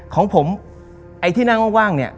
ของผมไอ้ที่นั่งว่างเนี่ย